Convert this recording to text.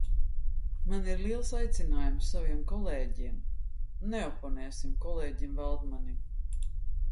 Man ir liels aicinājums saviem kolēģiem: neoponēsim kolēģim Valdmanim!